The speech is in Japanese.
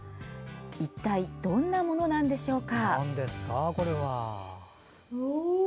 一体どんなものなんでしょうか。